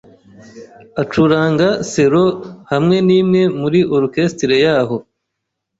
acuranga selo hamwe nimwe muri orchestre yaho.